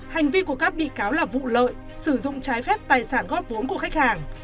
hành vi của các bị cáo là vụ lợi sử dụng trái phép tài sản góp vốn của khách hàng